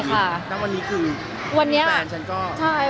เพราะเมื่อก่อนโมแล้วจะเอาความรักไปที่ตั้งอ่ะ